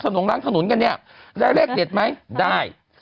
น้องล้างถนนกันเนี่ยได้เลขเด็ดไหมได้